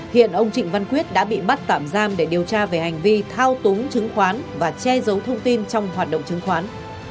hiện ông trịnh văn quyết đã bị bắt tạm giam để điều tra về hành vi thao túng chứng khoán và che giấu thông tin trong hoạt động chứng khoán